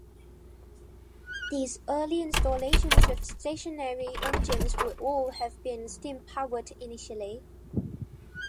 These early installations of stationary engines would all have been steam-powered initially.